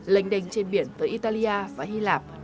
lệnh đềnh trên biển tới italia và hy lạp